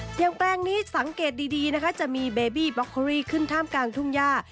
แปลงนี้สังเกตดีนะคะจะมีเบบี้บล็อกเคอรี่ขึ้นท่ามกลางทุ่งย่า